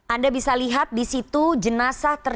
anda bisa lihat di situ jenazah terduga teroris